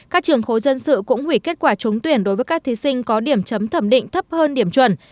các trường khối dân sự cũng hủy kết quả trúng tuyển đối với các thí sinh có điểm chấm thẩm định thấp hơn điểm chuẩn